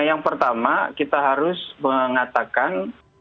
yang pertama kita harus mengatakan